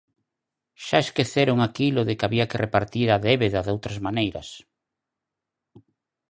Xa esqueceron aquilo de que había que repartir a débeda doutras maneiras.